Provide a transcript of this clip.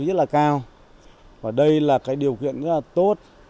điều kiện rất là cao và đây là cái điều kiện rất là tốt